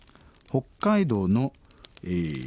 北海道のえ